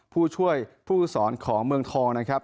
ผู้ช่วยผู้สอนของเมืองทองนะครับ